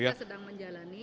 kita sedang menjalani